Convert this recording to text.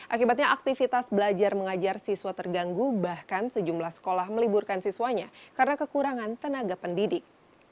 akibatnya aktivitas belajar mengajar siswa terganggu bahkan sejumlah sekolah meliburkan siswanya karena kekurangan tenaga pendidik